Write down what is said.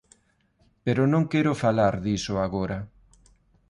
Pero non quero falar diso agora.